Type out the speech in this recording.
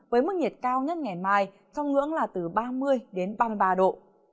với mức nhiệt cao nhất ngày mai trong ngưỡng là từ ba mươi đến ba mươi ba độ